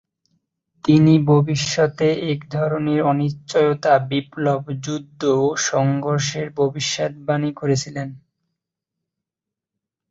তিনি ভবিষ্যতে এক ধরনের অনিশ্চয়তা, বিপ্লব, যুদ্ধ, ও সংঘর্ষের ভবিষ্যদ্বাণী করেছিলেন।